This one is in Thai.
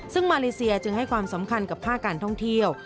ซึ่งมาเลเซียจึงให้ความสำคัญกับภาคการท่องเที่ยว